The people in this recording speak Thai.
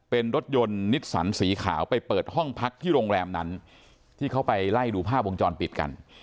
เป็นรถยนต์นิสสันสีขาวไปเปิดห้องพักที่โรงแรมนั้นที่เขาไปไล่ดูภาพวงจรปิดกัน